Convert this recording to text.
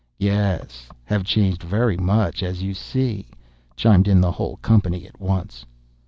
"Yes—have changed very much, as you see!" chimed in the whole company at once.